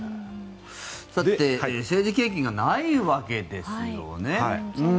さて政治経験がないわけですよね。